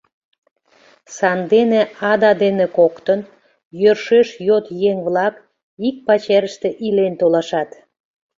Сандене Ада дене коктын, йӧршеш йот еҥ-влак, ик пачерыште илен толашат.